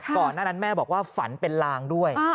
ก่อนหน้านั้นแม่บอกว่าฝันเป็นลางด้วย